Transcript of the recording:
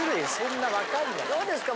どうですか？